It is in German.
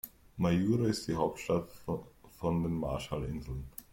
Majuro ist die Hauptstadt von den Marshallinseln.